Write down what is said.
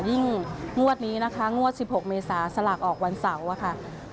งวดนี้นะคะงวด๑๖เมษาสลากออกวันเสาร์ค่ะ